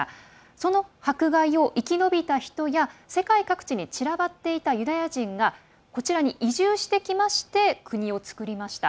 その迫害を生き延びた人や世界各地に散らばっていたユダヤ人がこちらに移住してきまして国を作りました。